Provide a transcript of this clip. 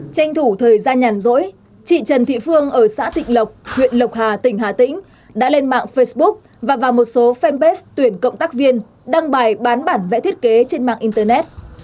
tranh thủ thời gian nhàn rỗi chị trần thị phương ở xã thịnh lộc huyện lộc hà tỉnh hà tĩnh đã lên mạng facebook và vào một số fanpage tuyển cộng tác viên đăng bài bán bản vẽ thiết kế trên mạng internet